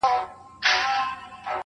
د خبرونو وياند يې,